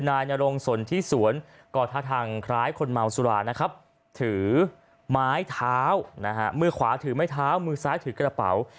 นายนรงสนที่สวนก็ท่าทางคล้ายคนเมาสุรานะครับถือไม้เท้านะฮะมือขวาถือไม้เท้ามือซ้ายถือกระเป๋า